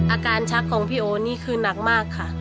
อาการชักของพี่โอนี่คือหนักมากค่ะ